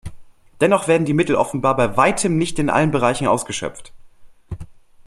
Dennoch werden die Mittel offenbar bei weitem nicht in allen Bereichen ausgeschöpft.